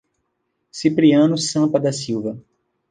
Cipriano Sampa da Silva